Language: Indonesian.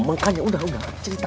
umum kanyu udah enggak cinta